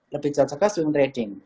lebih cocoknya swing trading